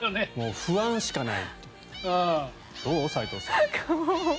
不安しかない。